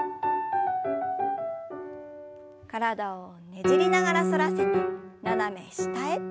体をねじりながら反らせて斜め下へ。